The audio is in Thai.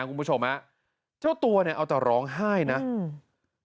คุณผู้ชมฮะเจ้าตัวเนี้ยเอาแต่ร้องไห้นะอืม